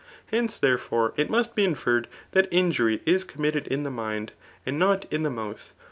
Heiice, therefore, it must be inferred that injury is com mitted in the mind, and not in the mouth.